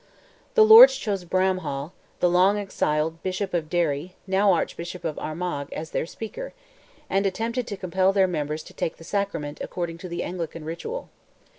The Lords chose Bramhall, the long exiled Bishop of Derry, now Archbishop of Armagh, as their Speaker, and attempted to compel their members "to take the sacrament" according to the Anglican ritual.